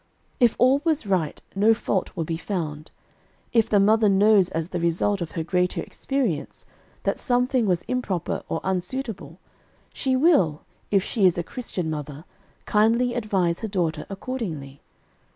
If all was right, no fault will be found. If the mother knows as the result of her greater experience, that something was improper or unsuitable, she will, if she is a Christian mother, kindly advise her daughter accordingly.